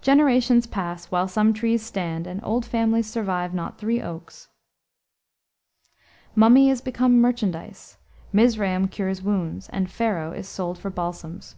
"Generations pass, while some trees stand, and old families survive not three oaks." "Mummy is become merchandise; Mizraim cures wounds, and Pharaoh is sold for balsams."